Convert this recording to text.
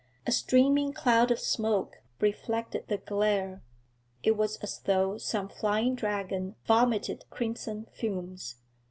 A streaming cloud of smoke reflected the glare; it was as though some flying dragon vomited crimson fumes.